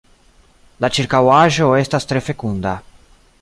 La ĉirkaŭaĵo estas tre fekunda.